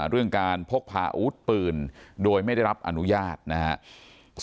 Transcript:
เรื่องการพกพาอาวุธปืนโดยไม่ได้รับอนุญาตนะครับ